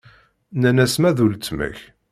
Nnan-as ma d uletma-k.